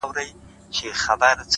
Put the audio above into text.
په سپورږمۍ كي زمــــا پــيــــر دى ـ